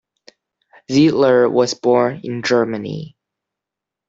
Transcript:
Zeidler was born in Germany.